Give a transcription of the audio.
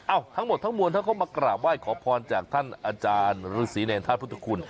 อ้าวทั้งหมดทั้งมวลเขาก็มากราบไหว้ขอพรจากท่านอาจารย์ฤษีในท่านพุทธคุณ